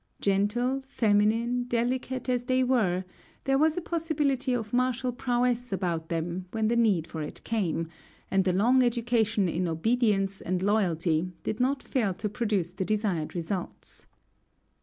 Gentle, feminine, delicate as they were, there was a possibility of martial prowess about them when the need for it came; and the long education in obedience and loyalty did not fail to produce the desired results.